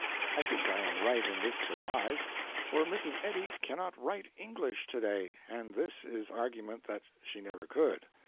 I think I am right in this surmise, for Mrs. Eddy cannot write English to day, and this is argument that she never could.